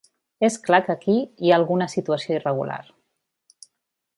És clar que aquí hi ha alguna situació irregular.